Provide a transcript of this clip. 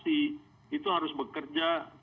sehingga betul mampu membuat sistem yang baik